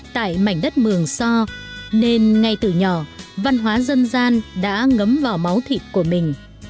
tại mảnh đất mường so nên ngay từ nhỏ văn hóa dân gian đã ngấm vào máu thịt của mình